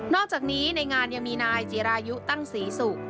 อกจากนี้ในงานยังมีนายจิรายุตั้งศรีศุกร์